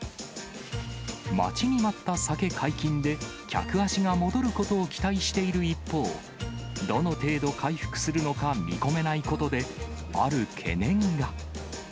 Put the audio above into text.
待ちに待った酒解禁で、客足が戻ることを期待している一方、どの程度回復するのか見込めないことで、ある懸念が。